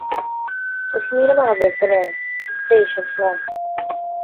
Go raibh míle maith agaibh go léir, agus go dté sibh slán